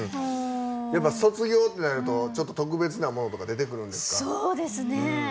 卒業ってなるとちょっと特別なものとか出てくるんですか？